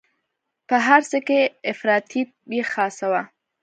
په هر څه کې افراطیت یې خاصه وه.